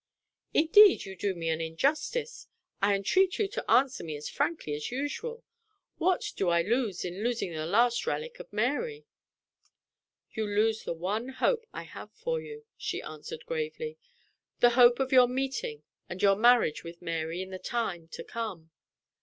"Indeed you do me an injustice. I entreat you to answer me as frankly as usual. What do I lose in losing the last relic of Mary?" "You lose the one hope I have for you," she answered, gravely "the hope of your meeting and your marriage with Mary in the time to come.